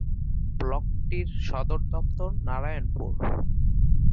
ব্লকটির সদর দপ্তর নারায়ণপুর।